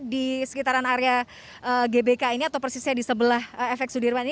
di sekitaran area gbk ini atau persisnya di sebelah efek sudirman ini